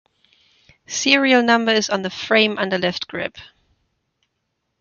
Serial number is on the frame under left grip.